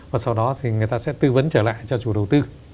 và sau đó thì người ta sẽ tư vấn trở lại cho chủ đầu tư